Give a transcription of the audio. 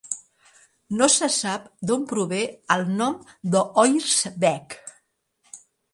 No se sap d'on prové el nom d'Oirsbeek.